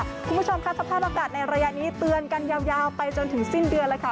คุณผู้ชมค่ะสภาพอากาศในระยะนี้เตือนกันยาวไปจนถึงสิ้นเดือนเลยค่ะ